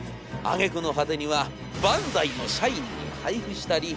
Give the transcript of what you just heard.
あげくの果てにはバンダイの社員に配布したり。